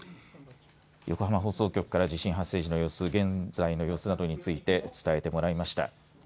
横浜放送局から地震発生時の様子現在の様子などについて伝えてもらいました。